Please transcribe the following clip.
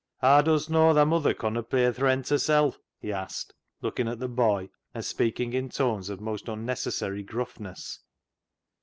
" Haa dust knaw thy muther conna pay th' rent hersel' ?" he asked, looking at the boy, and speaking in tones of most unnecessary grufifness.